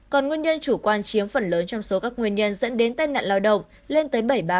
còn nguyên nhân chủ quan chiếm phần lớn trong số các nguyên nhân dẫn đến tai nạn lao động lên tới bảy mươi ba